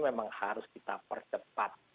memang harus kita percepat